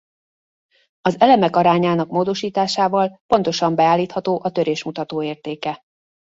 Az elemek arányának módosításával pontosan beállítható a törésmutató értéke.